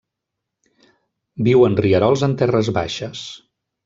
Viu en rierols en terres baixes.